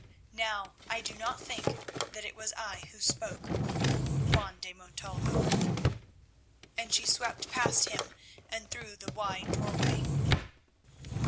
Now I do not think that it was I who spoke, Juan de Montalvo." And she swept past him and through the wide doorway.